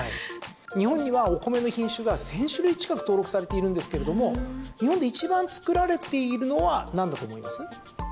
日本にはお米の品種が１０００種類近く登録されているんですけれども日本で一番作られているのは何だと思います？